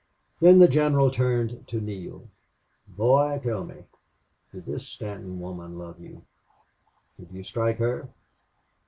Then the general turned to Neale. "Boy tell me did this Stanton woman love you did you strike her?